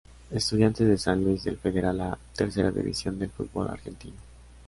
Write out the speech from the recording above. Estudiantes de San Luis del Federal A, tercera división del fútbol argentino.